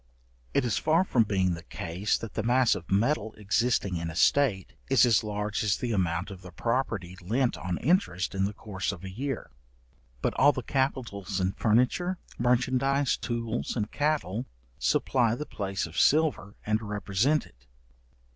It is far from being the case, that the mass of metal existing in a state, is as large as the amount of the property lent on interest in the course of a year; but all the capitals in furniture, merchandize, tools, and cattle, supply the place of silver and represent it.